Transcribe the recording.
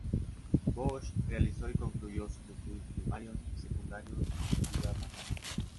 Bosch realizó y concluyó sus estudios primarios y secundarios en su ciudad natal.